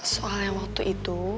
soal yang waktu itu